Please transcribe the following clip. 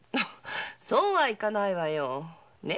そうはいかないわよねえ